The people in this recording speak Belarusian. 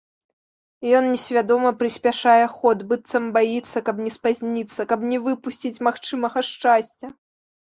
Ён несвядома прыспяшае ход, быццам баіцца, каб не спазніцца, каб не выпусціць магчымага шчасця.